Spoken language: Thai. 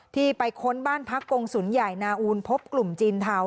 ที่ไปค้นบ้านพักกงศูนย์ใหญ่นาอูนพบกลุ่มจีนเทา